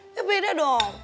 ya beda dong